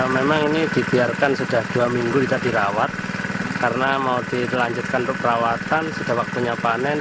memang ini dibiarkan sudah dua minggu kita dirawat karena mau ditelanjutkan untuk perawatan sudah waktunya panen